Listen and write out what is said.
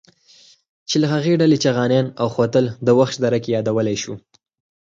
چې له هغې ډلې چغانيان او خوتل د وخش دره کې يادولی شو.